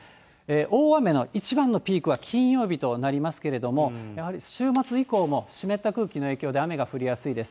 大雨の一番のピークは金曜日となりますけれども、やはり週末以降も、湿った空気の影響で雨が降りやすいです。